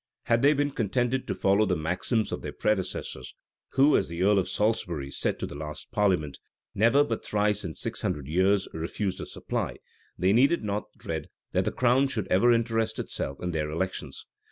Had they been contented to follow the maxims of their predecessors, who, as the earl of Salisbury said to the last parliament, never, but thrice in six hundred years, refused a supply,[v*] they needed not dread that the crown should ever interest itself in their elections.